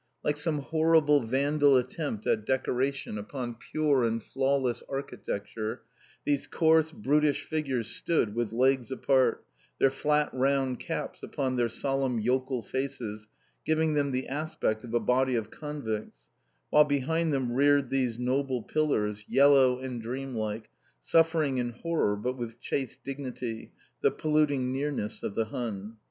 Like some horrible vandal attempt at decoration upon pure and flawless architecture these coarse, brutish figures stood with legs apart, their flat round caps upon their solemn yokel faces giving them the aspect of a body of convicts, while behind them reared those noble pillars, yellow and dreamlike, suffering in horror, but with chaste dignity, the polluting nearness of the Hun.